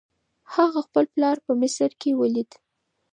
هغه خپل پلار په مصر کې ولید.